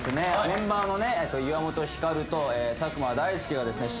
メンバーのね岩本照と佐久間大介がですね